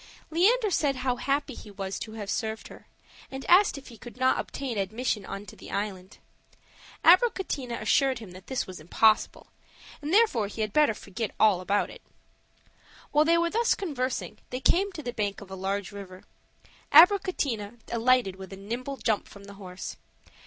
Leander said how happy he was to have served her, and asked if he could not obtain admission into the island. Abricotina assured him this was impossible, and therefore he had better forget all about it. While they were thus conversing, they came to the bank of a large river. Abricotina alighted with a nimble jump from the horse.